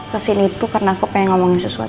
peminta selama bunga